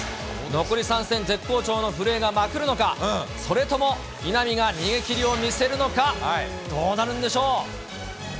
残り３戦、絶好調の古江がまくるのか、それとも稲見が逃げ切りを見せるのか、どうなるんでしょう。